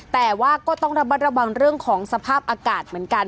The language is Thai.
แต่ว่าก็ต้องระมัดระวังเรื่องของสภาพอากาศเหมือนกัน